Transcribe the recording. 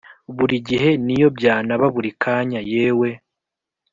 buri gihe niyo byanaba buri kanya yewe,